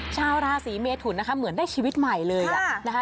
ชาวราศีเมทุนนะคะเหมือนได้ชีวิตใหม่เลยนะคะ